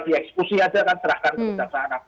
diekskusi aja kan terahkan